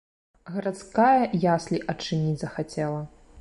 Гарадская яслі адчыніць захацела.